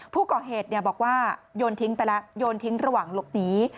ผู้ก่อเหตุบอกว่าโยนทิ้งไปแล้วโยนทิ้งระหว่างหลบหนี